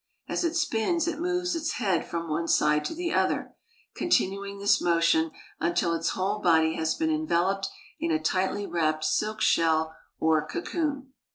As it spins it moves its head from one side to the other, continuing this motion until its whole body has been enveloped in a tightly wrapped silk shell or cocoon.